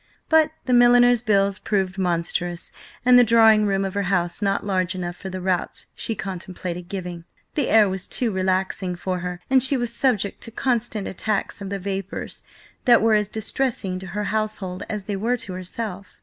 But the milliner's bills proved monstrous, and the drawing room of her house not large enough for the routs she contemplated giving. The air was too relaxing for her, and she was subject to constant attacks of the vapours that were as distressing to her household as they were to herself.